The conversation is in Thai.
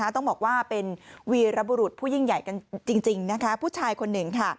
ต้องบอกว่าเป็นวีรบุรุษผู้ยิ่งใหญ่กันจริงผู้ชายคนหนึ่ง